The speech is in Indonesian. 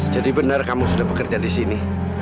jadi bener kamu sudah bekerja disini